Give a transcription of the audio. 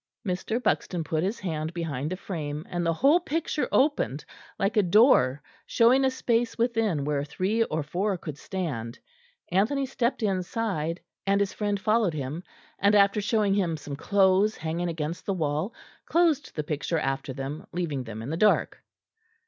Mr. Buxton put his hand behind the frame, and the whole picture opened like a door showing a space within where three or four could stand. Anthony stepped inside and his friend followed him, and after showing him some clothes hanging against the wall closed the picture after them, leaving them in the dark.